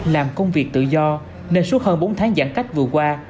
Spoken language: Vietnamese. làm công việc tự do nên suốt hơn bốn tháng giãn cách vừa qua